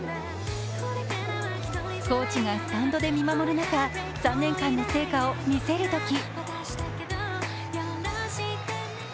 コーチがスタンドで見守る中、３年間の成果を見せるとき。